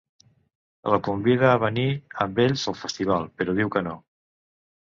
La convida a venir amb ells al festival, però diu que no.